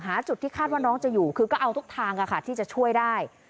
จุดที่คาดว่าน้องจะอยู่คือก็เอาทุกทางที่จะช่วยได้